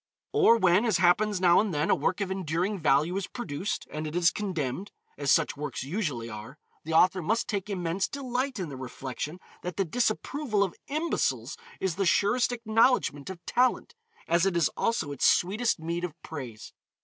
Or when, as happens now and then, a work of enduring value is produced, and it is condemned, as such works usually are, the author must take immense delight in the reflection that the disapproval of imbeciles is the surest acknowledgement of talent, as it is also its sweetest mead of praise.